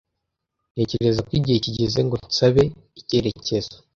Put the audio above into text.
Ntekereza ko igihe kigeze ngo nsabe icyerekezo.